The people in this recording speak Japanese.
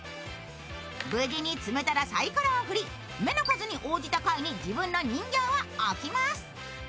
無事に積めたらサイコロを振り、目の数に応じた階に自分の人形を置きます。